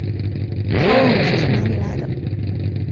她问我从哪里来的